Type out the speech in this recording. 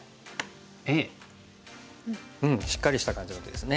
しっかりした感じの手ですね。